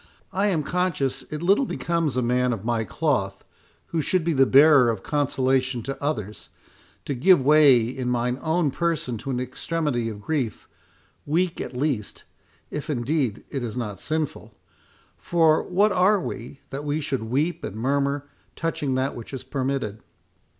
I am conscious it little becomes a man of my cloth, who should be the bearer of consolation to others, to give way in mine own person to an extremity of grief, weak at least, if indeed it is not sinful; for what are we, that we should weep and murmur touching that which is permitted?